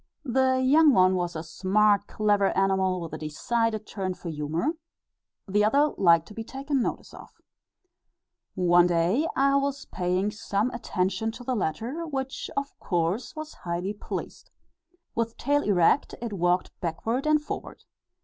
The young one was a smart clever animal with a decided turn for humour, the other liked to be taken notice of. One day I was paying some attention to the latter, which, of course, was highly pleased. With tail erect, it walked backward and forward.